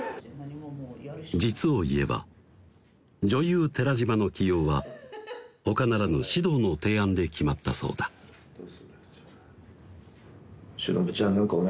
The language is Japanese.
実を言えば女優・寺島の起用はほかならぬ獅童の提案で決まったそうだそう